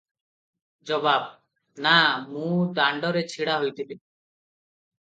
ଜବାବ - ନା ମୁଁ ଦାଣ୍ଡରେ ଛିଡା ହୋଇଥିଲି ।